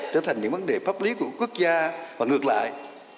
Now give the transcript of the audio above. trở thành những vấn đề pháp lý của quốc gia và ngược lại